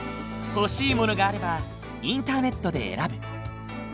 欲しいものがあればインターネットで選ぶ。